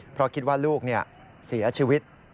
เพราะคิดว่าลูกเสียชีวิต